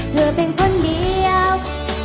เธอเป็นคนเดียว